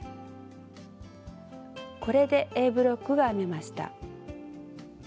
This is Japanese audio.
これでＡブロックが編めました。